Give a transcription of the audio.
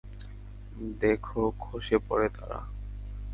দেখো খসে পরা তারা।